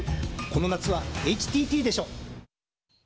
この夏はＨＴＴでしょ！